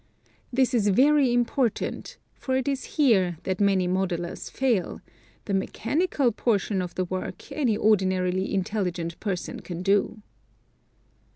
This is very important, for it is here that many modelers fail: the mechanical portion of Topographic Models. '^bl the work any ordinarily intelligent person can do.